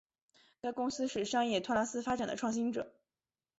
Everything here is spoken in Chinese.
该公司是商业托拉斯发展的创新者。